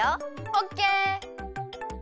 オッケー！